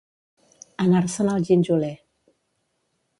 Anar-se'n al ginjoler.